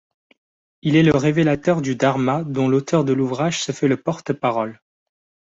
Il est le révélateur du dharma dont l'auteur de l'ouvrage se fait le porte-parole.